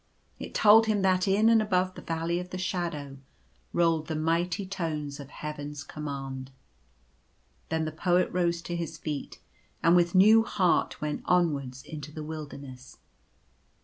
It told him that in and above the Valley of the Shadow rolled the mighty tones of Heaven's command. Then the Poet rose to his feet, and with new heart went onwards into the wilderness.